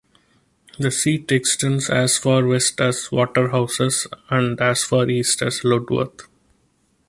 The seat extends as far west as Waterhouses and as far east as Ludworth.